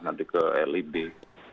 kalau yang lebih